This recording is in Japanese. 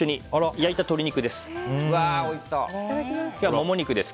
焼いた鶏肉です。